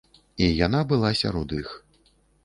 І яна была сярод іх.